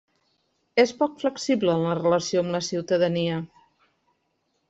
És poc flexible en la relació amb la ciutadania.